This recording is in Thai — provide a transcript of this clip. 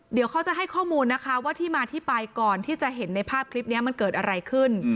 เดี๋ยวเขาจะให้ข้อมูลนะคะว่าที่มาที่ไปก่อนที่จะเห็นในภาพคลิปนี้มันเกิดอะไรขึ้น